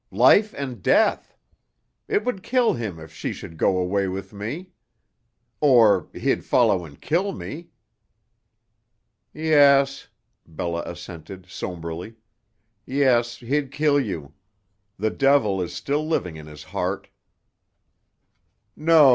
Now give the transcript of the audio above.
Life and death! It would kill him if she should go away with me. Or he'd follow and kill me." "Yes," Bella assented somberly; "yes, he'd kill you. The devil is still living in his heart." "No.